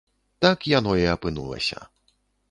Так яно і апынулася.